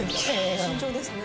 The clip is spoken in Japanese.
慎重ですね